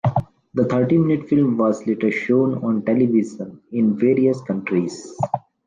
The thirty-minute film was later shown on television in various countries.